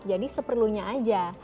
jadi seperlunya aja